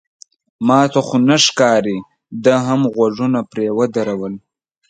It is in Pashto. ما ته خو نه ښکاري، ده هم غوږونه پرې ودرول.